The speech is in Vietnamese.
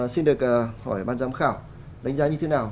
xin được hỏi ban giám khảo đánh giá như thế nào